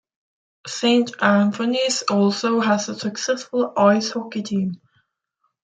Saint Anthony's also has a successful ice hockey team.